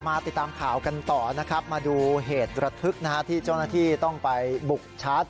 มาติดตามข่าวกันต่อมาดูเหตุระทึกที่เจ้าหน้าที่ต้องไปบุกชาร์จ